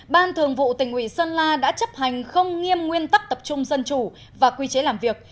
ban thường vụ tỉnh ủy sơn la đã chấp hành không nghiêm nguyên tắc tập trung dân chủ và quy chế làm việc